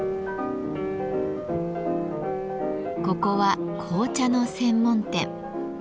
ここは紅茶の専門店。